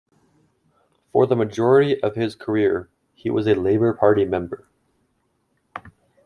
For the majority of his career he was a Labour Party member.